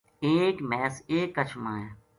ایک مھیس ایک کَچھ ما ہے